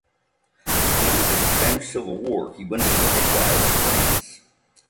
At the end of the Spanish Civil War he went into exile in France.